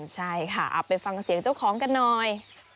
ใช่ค่ะเอาไปฟังเสียงเจ้าของกันหน่อย